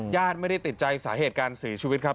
ญาติไม่ได้ติดใจสาเหตุการเสียชีวิตครับ